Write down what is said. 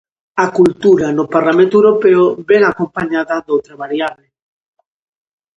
A cultura, no Parlamento Europeo, vén acompañada doutra variable.